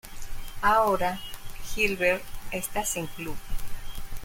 Ahora, Gilbert está sin club.